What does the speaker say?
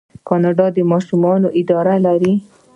کاناډا د ماشومانو اداره لري.